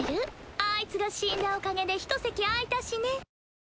あいつが死んだおかげでひと席空いたしね。